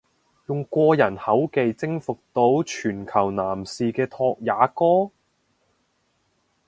用過人口技征服到全球男士嘅拓也哥！？